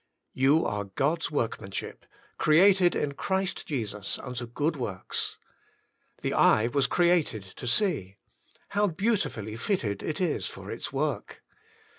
" You are God^s workmanship, created in Christ Jesus unto good works.'' The eye was created to see : how beautifully fitted it is for its work